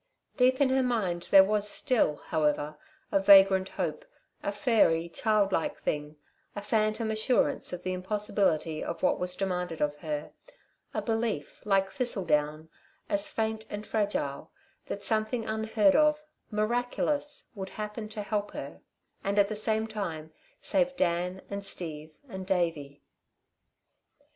Deep in her mind there was still, however, a vagrant hope, a fairy, child like thing, a phantom assurance of the impossibility of what was demanded of her, a belief, like thistle down, as faint and fragile, that something unheard of, miraculous, would happen to help her, and at the same time save Dan and Steve and Davey.